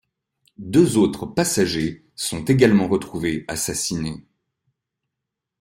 Deux autres passagers sont également retrouvés assassinés.